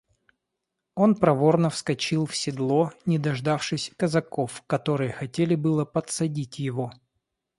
Он проворно вскочил в седло, не дождавшись казаков, которые хотели было подсадить его.